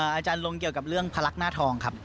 อาจารย์ลงเกี่ยวกับเรื่องพลักษณ์หน้าทองครับ